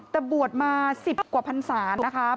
แต่บวชมา๑๐กว่าพันศาลนะคะ